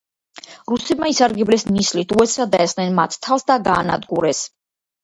რუსებმა ისარგებლეს ნისლით, უეცრად დაესხნენ მათ თავს და გაანადგურეს.